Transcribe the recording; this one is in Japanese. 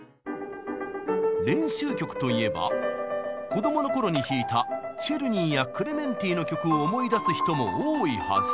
練習曲といえば子供の頃に弾いたチェルニーやクレメンティの曲を思い出す人も多いはず。